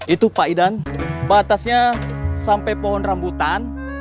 itu pak idan batasnya sampai pohon rambutan